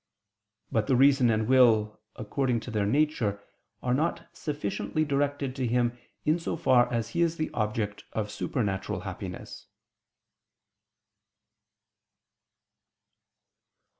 But the reason and will, according to their nature, are not sufficiently directed to Him in so far as He is the object of supernatural happiness.